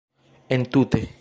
entute